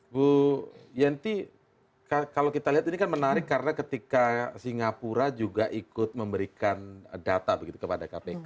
bu yenti kalau kita lihat ini kan menarik karena ketika singapura juga ikut memberikan data begitu kepada kpk